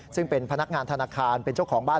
ซึ่งเป็นพนักงานธนาคารเป็นเจ้าของบ้าน